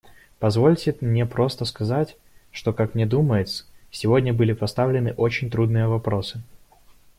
Позвольте мне просто сказать, что, как мне думается, сегодня были поставлены очень трудные вопросы.